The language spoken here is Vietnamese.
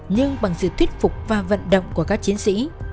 nhưng bằng sự thuyết phục và vận động của các chiến sĩ